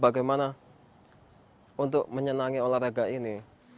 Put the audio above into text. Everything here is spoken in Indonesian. bagaimana untuk menyenangi olahraga ini